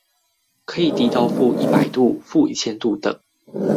可以低到負一百度、負一千度等